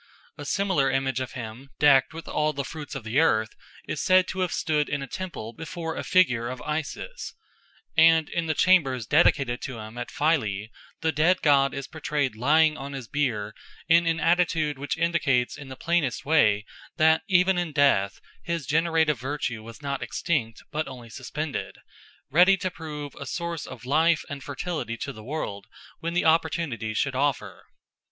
A similar image of him, decked with all the fruits of the earth, is said to have stood in a temple before a figure of Isis, and in the chambers dedicated to him at Philae the dead god is portrayed lying on his bier in an attitude which indicates in the plainest way that even in death his generative virtue was not extinct but only suspended, ready to prove a source of life and fertility to the world when the opportunity should offer.